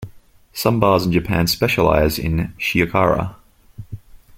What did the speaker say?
Some bars in Japan specialize in "shiokara".